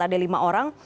ada lima orang